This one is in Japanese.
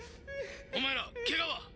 「お前らケガは？」